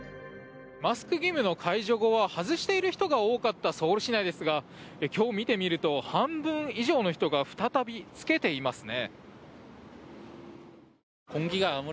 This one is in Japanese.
マスク義務の解除後は外している人が多かったソウル市内ですが今日、見てみると半分以上の人が再び着けていますね。